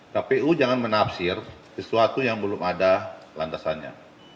kpu jangan menafsir sesuatu yang belum ada lantasannya